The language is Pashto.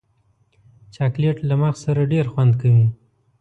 چاکلېټ له مغز سره ډېر خوند کوي.